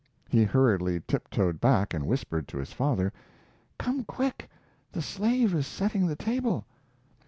He hurriedly tiptoed back and whispered to his father: "Come quick! The slave is setting the table!"